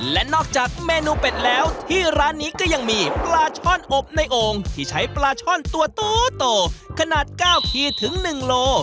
และนอกจากเมนูเป็ดแล้วที่ร้านนี้ก็ยังมีปลาช่อนอบในโอ่งที่ใช้ปลาช่อนตัวโตขนาด๙ขีดถึง๑โล